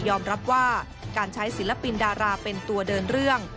รับว่าการใช้ศิลปินดาราเป็นตัวเดินเรื่อง